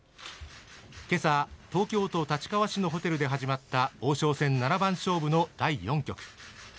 今朝、東京都立川市のホテルで始まった王将戦七番勝負の第４局。